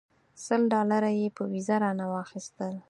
سل ډالره یې په ویزه رانه واخیستل.